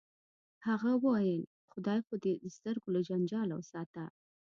هغه ویل خدای خو دې د سترګو له جنجاله وساته